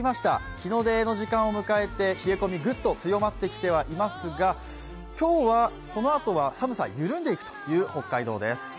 日の出の時間を迎えて冷え込みぐっと強まってきてはいますが今日はこのあとは寒さ、緩んでいくという北海道です。